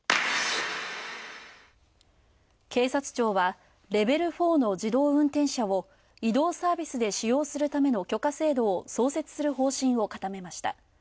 警察庁はレベル４の自動運転車を移動サービスで使用するための許可制度を創設する方針を固めました。